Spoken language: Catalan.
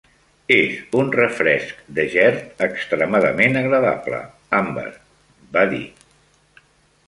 "És un refresc de gerd extremadament agradable, Amber", va dir.